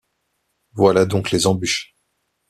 Voilà donc les embûches!